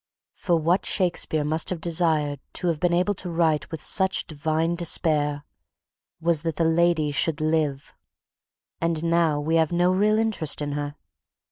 For what Shakespeare must have desired, to have been able to write with such divine despair, was that the lady should live... and now we have no real interest in her....